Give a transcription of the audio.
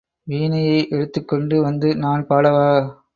வீணையை எடுத்துக் கொண்டு வந்து நான் பாடவா?